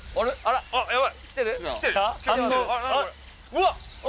うわっ！